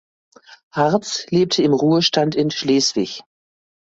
Hartz lebte im Ruhestand in Schleswig.